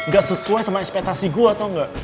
gak sesuai sama ekspetasi gue tau gak